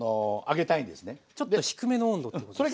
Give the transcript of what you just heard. ちょっと低めの温度ということですか？